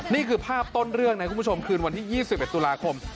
นี่คือภาพต้นเรื่องนะคุณผู้ชมคืนวันที่๒๑ตุลาคม